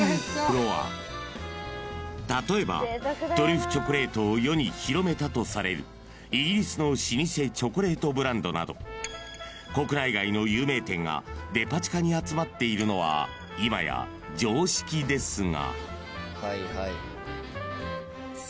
［例えばトリュフチョコレートを世に広めたとされるイギリスの老舗チョコレートブランドなど国内外の有名店がデパ地下に集まっているのは今や常識ですが］